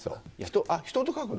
人と書くの？